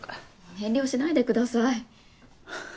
遠慮しないでください。